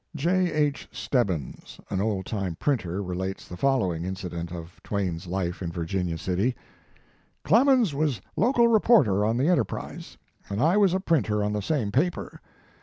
J. H. Stebbins, an old time printer, relates the following incident of Twain s life in Virginia City: "Clemens was local reporter on The Enterprise, and I was a printer on the same paper.